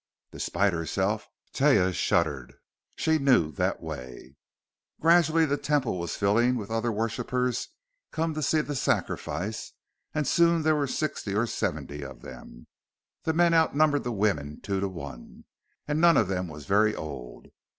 Despite herself, Taia shuddered. She knew that way. Gradually the Temple was filling with other worshippers come to see the sacrifice, and soon there were sixty or seventy of them. The men outnumbered the women two to one, and none of them was very old.